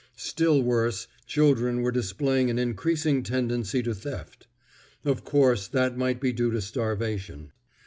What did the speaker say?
Still worse, children were displaying an increasing tendency to theft. Of course, that might be due to starvation.